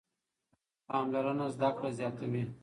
پاملرنه زده کړه زیاتوي.